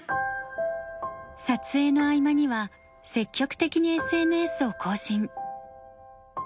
撮影の合間には積極的にＳＮＳを更新。